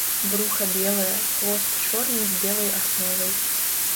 Бруха белае, хвост чорны з белай асновай.